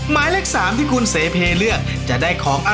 หมวกปีกดีกว่าหมวกปีกดีกว่า